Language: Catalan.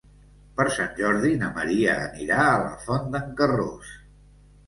Per Sant Jordi na Maria anirà a la Font d'en Carròs.